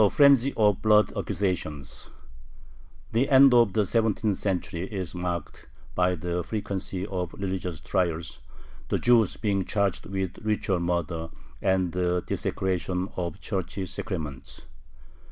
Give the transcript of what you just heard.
A FRENZY OF BLOOD ACCUSATIONS The end of the seventeenth century is marked by the frequency of religious trials, the Jews being charged with ritual murder and the desecration of Church sacraments.